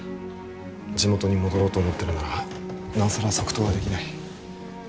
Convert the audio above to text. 地元に戻ろうと思ってるならなおさら即答はできない。